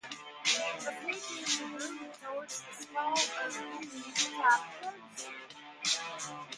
The figures are moving towards the call of duty atop a pedestal.